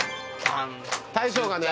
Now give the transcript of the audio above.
大将がね